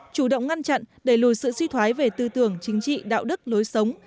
chủ động ngăn chặn đẩy lùi sự suy thoái về tư tưởng chính trị đạo đức lối sống